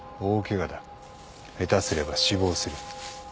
下手すれば死亡する。